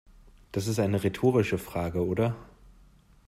Das ist eine rhetorische Frage, oder?